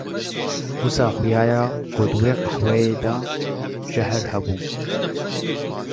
Wisa xwiya ye ku di wî qehweyî de jahr hebû.